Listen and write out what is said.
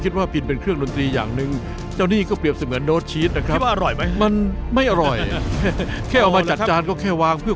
สิบไอ้ชิง